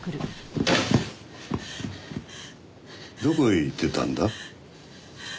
どこへ行ってたんだ？